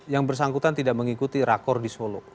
yang bersangkutan tidak mengikuti rakor di solo